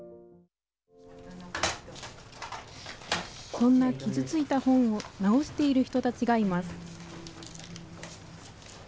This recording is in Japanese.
こんな傷ついた本を直している人たちがいます